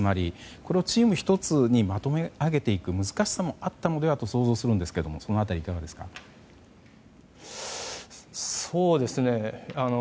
これをチーム１つにまとめ上げていく難しさもあったのではと想像するんですがその辺りはいかがですか？